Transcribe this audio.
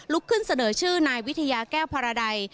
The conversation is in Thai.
ขึ้นเสนอชื่อนายวิทยาแก้วภารใด